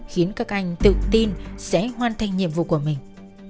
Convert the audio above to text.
khiến các anh tự tin sẽ hoàn thành nhiệm vụ của mình